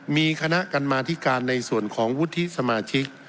มีคณะกรรมาธิการในส่วนของวุฒิสมาชิก